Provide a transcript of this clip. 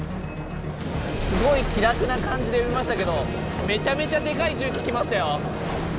すごい気楽な感じで呼びましたけどめちゃめちゃでかい重機来ましたよ。